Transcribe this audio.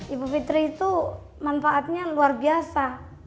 ibu fitri itu manfaatnya luar biasa